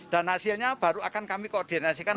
dan nasihnya baru akan kami koordinasikan